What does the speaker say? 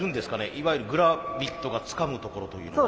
いわゆるグラビットがつかむところというのは。